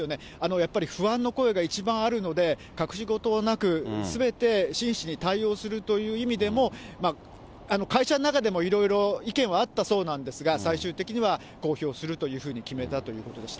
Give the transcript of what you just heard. やっぱり不安の声が一番あるので、隠し事なく、すべて真摯に対応するという意味でも、会社の中でもいろいろ意見はあったそうなんですが、最終的には公表するというふうに決めたということでした。